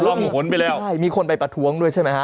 ต้องล่องขนไปแล้วได้มีคนไปประท้วงด้วยใช่ไหมฮะ